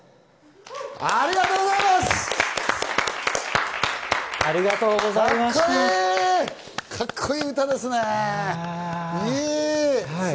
ありがとうございます！